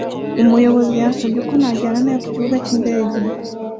Umuyobozi yansabye ko najyana nawe ku kibuga cyindege